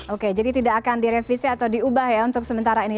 oke jadi tidak akan direvisi atau diubah ya untuk sementara ini